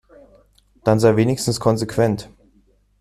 Dann sei wenigstens konsequent.